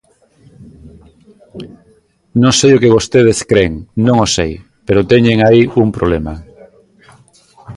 Non sei o que vostedes cren, non o sei, pero teñen aí un problema.